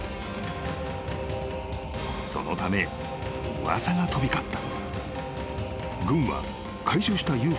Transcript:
［そのため噂が飛び交った］